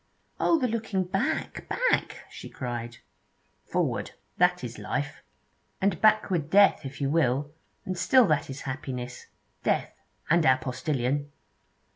'Oh, the looking back! back!' she cried. 'Forward! that is life.' 'And backward, death, if you will; and still at is happiness. Death, and our postillion!'